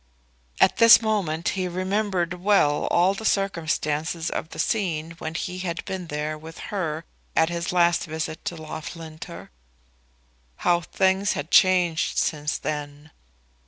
At this moment he remembered well all the circumstances of the scene when he had been there with her at his last visit to Loughlinter. How things had changed since then!